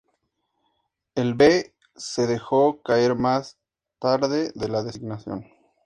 El B se dejó caer más tarde de la designación.